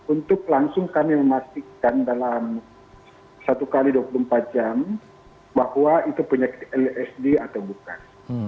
untuk langsung kami memastikan dalam satu x dua puluh empat jam bahwa itu penyakit lsd atau bukan